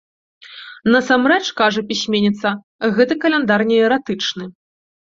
Насамрэч, кажа пісьменніца, гэты каляндар неэратычны.